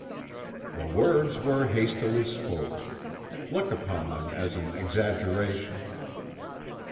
"The words were hastily spoken. Look upon them as an exaggeration."